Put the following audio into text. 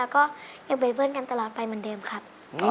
ก็ยังเป็นเพื่อนกันตลอดไปเหมือนเดิมครับ